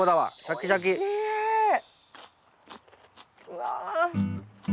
うわ。